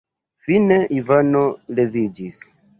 Fine Ivano leviĝis.